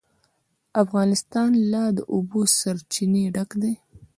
افغانستان له د اوبو سرچینې ډک دی.